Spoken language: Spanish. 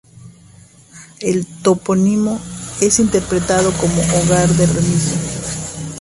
El topónimo es interpretado como "hogar de Remigio".